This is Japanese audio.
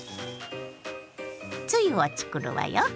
つゆを作るわよ。